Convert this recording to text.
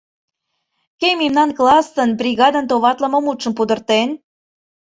Кӧ мемнан классын, бригадын товатлыме мутшым пудыртен?!